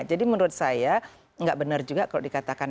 jadi menurut saya nggak benar juga kalau dikatakan